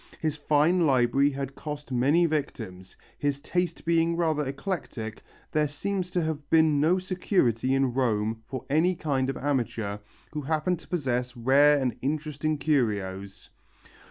His fine library had cost many victims, his taste being rather eclectic, there seems to have been no security in Rome for any kind of amateur who happened to possess rare and interesting curios.